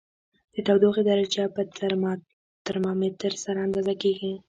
د تودوخې درجه په ترمامتر سره اندازه کړئ.